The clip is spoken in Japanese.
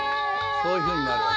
そういうふうになるわけ。